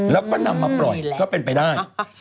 แล้วก็นำมาปล่อยก็เป็นไปได้